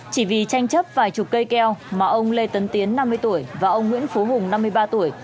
chỉ vì tranh chấp vài chục cây keo mà ông lê tấn tiến năm mươi tuổi và ông nguyễn phú hùng năm mươi ba tuổi